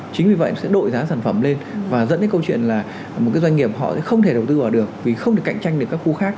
chính vì vậy sẽ đội giá sản phẩm lên và dẫn đến câu chuyện là một cái doanh nghiệp họ sẽ không thể đầu tư vào được vì không thể cạnh tranh được các khu khác